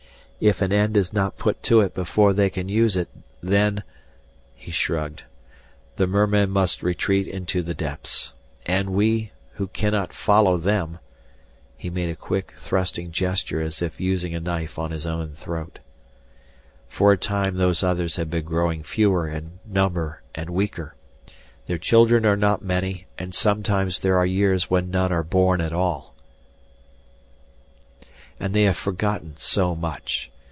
If an end is not put to it before they can use it, then" he shrugged "the mermen must retreat into the depths. And we, who can not follow them " He made a quick, thrusting gesture as if using a knife on his own throat. "For a time Those Others have been growing fewer in number and weaker. Their children are not many and sometimes there are years when none are born at all. And they have forgotten so much.